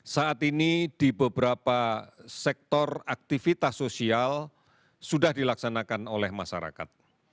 saat ini di beberapa sektor aktivitas sosial sudah dilaksanakan oleh masyarakat